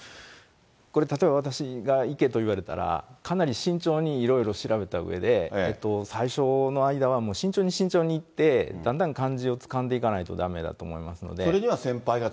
これ、例えば私が行けと言われたら、かなり慎重にいろいろ調べたうえで、最初の間は、もう慎重に慎重に行って、だんだん感じをつかんでいかないとだめだと思いますので。